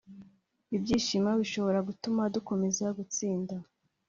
ibyishimo bishobora gutuma dukomeza gutsinda